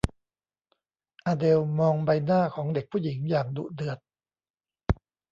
อเดลมองใบหน้าของเด็กผู้หญิงอย่างดุเดือด